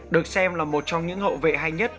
được xem là một trong những hậu vệ hay nhất